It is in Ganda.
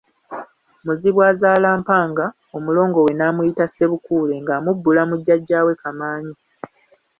Muzibuazaala Mpanga, Omulongo we n'amuyita Ssebukuule ng'amubbula mu wa Jjajjaawe Kamaanya.